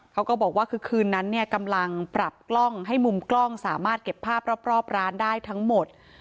เค้าก็บอกว่ามุนพ่อให้ปรับกล้องให้มุมกล้องสามารถเก็บภาพรอบร้านได้ทั้งหมด